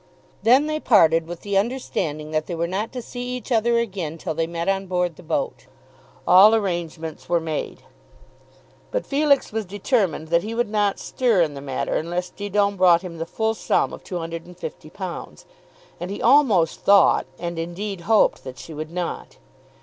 Then they parted with the understanding that they were not to see each other again till they met on board the boat. All arrangements were made. But Felix was determined that he would not stir in the matter unless Didon brought him the full sum of £250; and he almost thought, and indeed hoped, that she would not.